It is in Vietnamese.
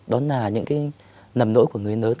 đó là những cái nầm nỗi của người lớn